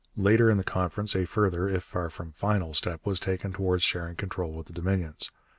Later in the Conference a further, if far from final, step was taken towards sharing control with the Dominions.